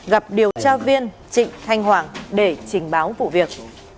gặp điều tra viên trịnh thanh hoàng để trình báo vụ việc